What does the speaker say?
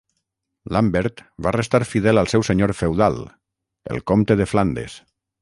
Lambert va restar fidel al seu senyor feudal, el comte de Flandes.